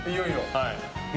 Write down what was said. はい。